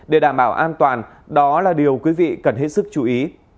để đảm bảo an toàn đó là điều quý vị cần hết sức chú ý